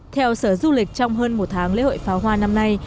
theo sở du lịch trong hơn một tháng lễ hội pháo hoa năm nay